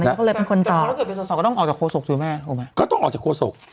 ก็เลยเป็นคนตอบก็ต้องออกจากโฆษกถูกไหมถูกไหมก็ต้องออกจากโฆษก